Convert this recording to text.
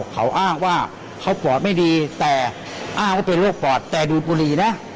เขาอ้างว่าเขาปอดไม่ดีแต่อ้างว่าเป็นโรคปอดแต่ดูดบุหรี่นะ